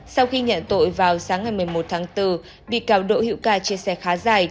sau khi nhận tội vào sáng ngày một mươi một tháng bốn bị cáo đỗ hữu ca chia sẻ khá dài